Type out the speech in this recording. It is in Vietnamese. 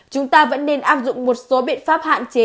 chúng ta vẫn nên áp dụng một số biện pháp hạn chế